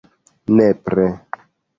Nepre!